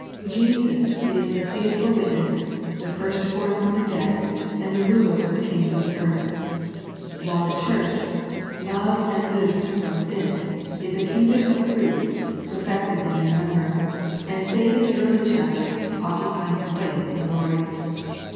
Jesus is the " faith ful Witness, the First born from the dead, and the Ruler of the kings of the earth ;" while the Church, loved and loosed from sin, is a kingdom of priests, perfected in their number, and save in the early chapters, occupying a place in glory.